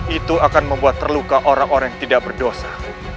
itu akan membuat terluka orang orang yang tidak berdosa